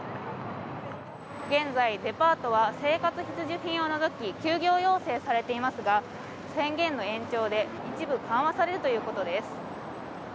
現在、デパートは生活必需品を除き休業要請されていますが宣言の延長で一部緩和されるということです。